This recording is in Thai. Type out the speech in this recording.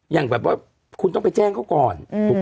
อย่างแบบว่าคุณต้องไปแจ้งเขาก่อน